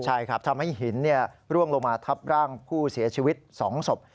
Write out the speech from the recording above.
ใช่ครับทำให้หินร่วงลงมาทับร่างผู้เสียชีวิต๒ศพ